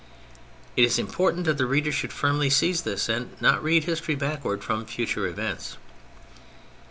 It is important that the reader should firmly seize this and not read history back ward from future events.